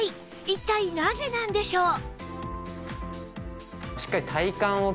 一体なぜなんでしょう？